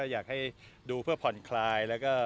อยากให้ดูเพื่อผ่อนคลาย